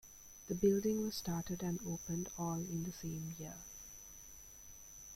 The building was started and opened all in the same year.